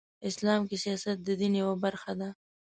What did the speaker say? اسلام کې سیاست د دین یوه برخه ده .